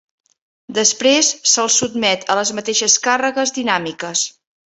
Després se'ls sotmet a les mateixes càrregues dinàmiques.